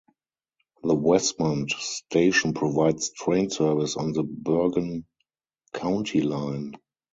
The Wesmont station provides train service on the Bergen County Line.